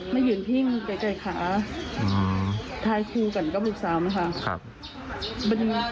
มันยืนทิ้งใกล้ขาท้ายคู่กันก็บุกซ้ำนะครับ